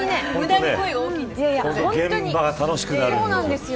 現場が楽しくなるんです。